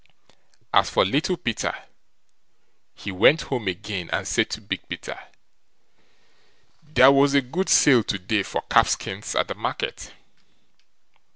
As for Little Peter, he went home again, and said to Big Peter, "There was a good sale to day for calfskins at the market."